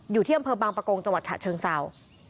อยู่ที่อำเภอบังปะโกงจังหวัดฉะเชิงซาว